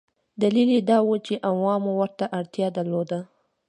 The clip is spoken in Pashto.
دلیل یې دا و چې عوامو ورته اړتیا درلوده.